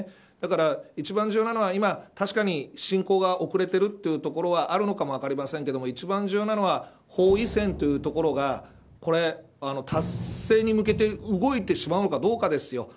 だから一番重要なのは今、確かに侵攻が遅れている所があるのかも分かりませんが一番重要なのは包囲線というところが達成に向けて動いてしまうのかどうかです。